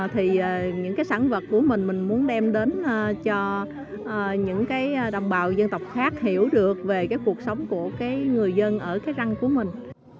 thì những cái sản vật của mình mình muốn đem đến cho những cái đồng bào dân tộc khác hiểu được về cái cuộc sống của cái người dân ở cái răng của mình